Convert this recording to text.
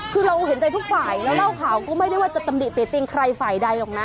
คือเราเห็นใจทุกฝ่ายเราเล่าข่าวก็ไม่ได้ว่าจะตำหนิติติงใครฝ่ายใดหรอกนะ